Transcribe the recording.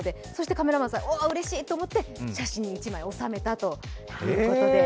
カメラマンさん、うれしいと思って写真に１枚収めたということです。